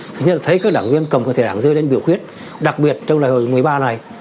thứ nhất là thấy các đảng viên cầm thẻ đảng dưa lên biểu quyết đặc biệt trong đại hội một mươi ba này